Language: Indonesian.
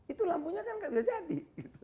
itu lampunya kan nggak bisa jadi